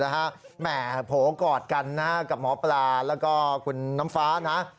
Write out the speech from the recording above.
แหมโผล่กอดกันนะกับหมอปลาแล้วก็คุณน้ำฟ้านะ